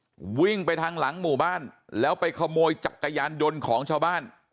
หน้าบ้านตัวเองวิ่งไปทางหลังหมู่บ้านแล้วไปขโมยจักรยานยนต์ของชาวบ้าน